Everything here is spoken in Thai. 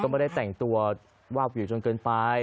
ไม่ได้แต่งตัววาบวิวจนเกินไป